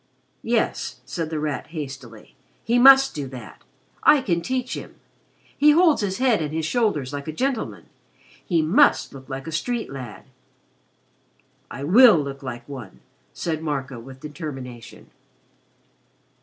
"Yes," said The Rat hastily. "He must do that. I can teach him. He holds his head and his shoulders like a gentleman. He must look like a street lad." "I will look like one," said Marco, with determination.